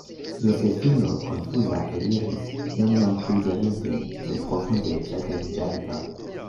Josefino konfuza eliris, nenion plu dirinte, sed profunde ĉagreniĝanta.